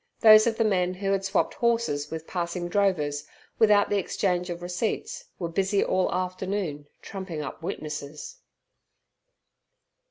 Those of the men who had swapped horses with passing drovers, without the exchange of receipts, were busy all afternoon trumping up witnesses.